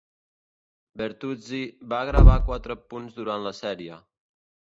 Bertuzzi va gravar quatre punts durant la sèrie.